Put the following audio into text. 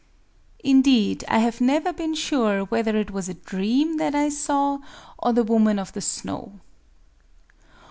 Indeed, I have never been sure whether it was a dream that I saw, or the Woman of the Snow."...